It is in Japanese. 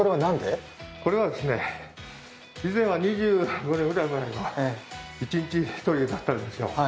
これは以前は２５年ぐらい前は一日１人だったんですよ。